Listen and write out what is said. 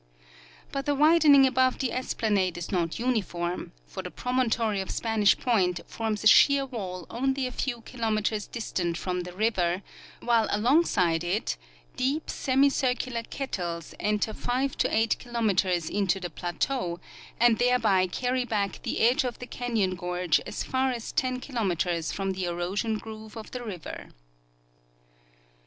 But the widening above the esplanade is not uniform ; for the promontory of Spanish point forms a sheer wall only a few kilometers distant from the river, while alongside it deep, semi circular kettles enter 5 to 8 kilometers into the plateau, and thereby carr}' back the edge of the canyon gorge as far as 10 kilometers from the erosion groove of the river.